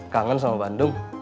kangen sama bandung